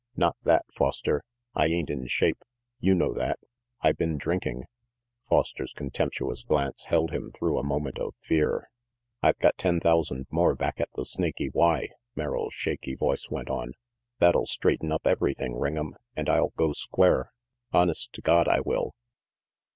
"Not that, Foster. I ain't in shape. You know that. I been drinking." Foster's contemptuous glance held him through a moment of fear. "I've got ten thousand more back at the Snaky Y," Merrill's shaky voice went on, "That'll straighten up everything, Ring'em, and I'll go square. Honest to God, I will."